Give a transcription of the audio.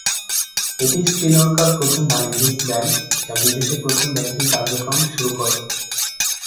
এটিই শ্রীলঙ্কার প্রথম বাণিজ্যিক ব্যাংক যা বিদেশে প্রথম ব্যাংকিং কার্যক্রম শুরু করে।